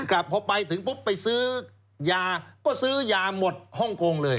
กลับพอไปถึงปุ๊บไปซื้อยาก็ซื้อยาหมดฮ่องกงเลย